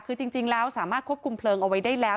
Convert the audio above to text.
คือจริงแล้วสามารถควบคุมเพลิงเอาไว้ได้แล้ว